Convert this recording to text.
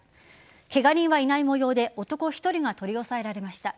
ケガ人はいないもようで男１人が取り押さえられました。